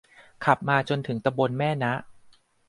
ขับมาจนถึงตำบลแม่นะ